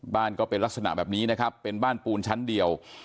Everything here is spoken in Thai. ก็เป็นลักษณะแบบนี้นะครับเป็นบ้านปูนชั้นเดียว